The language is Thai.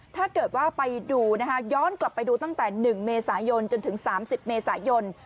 ถ้าเกิดว่าไปดูนะคะย้อนกลับไปดูตั้งแต่๑เมษายนจนถึง๓๐เมษายน